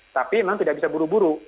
tapi memang tidak bisa buru buru